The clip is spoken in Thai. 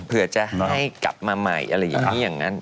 เพื่อจะให้กลับมาใหม่อะไรอย่างนี้อย่างนั้น